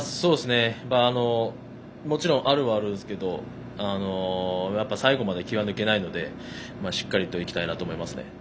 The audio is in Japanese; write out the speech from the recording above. もちろんあるはあるんですけど最後まで気が抜けないのでしっかりといきたいなと思いますね。